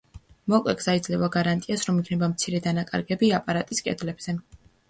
მოკლე გზა იძლევა გარანტიას რომ იქნება მცირე დანაკარგები აპარატის კედლებზე.